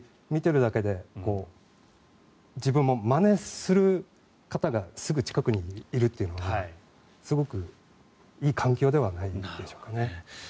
見ているだけで自分も、まねする方がすぐ近くにいるっていうのはすごくいい環境ではないでしょうかね。